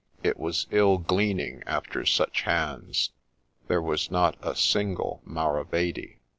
It was ill gleaning after such hands ; there was not a single maravedi.